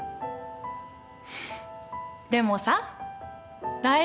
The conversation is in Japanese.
でもさ大丈夫。